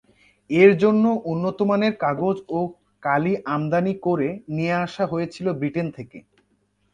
এর জন্য উন্নতমানের কাগজ ও কালি আমদানি ক’রে নিয়ে আসা হয়েছিল ব্রিটেন থেকে।